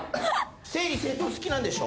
整理整頓好きなんでしょ？